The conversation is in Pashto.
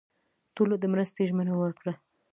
ټولو د مرستې ژمنه ورکړه.